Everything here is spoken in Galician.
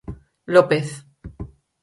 López.